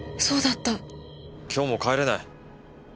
今日も帰れない。